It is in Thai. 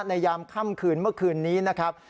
ยามค่ำคืนเมื่อคืนนี้นะครับ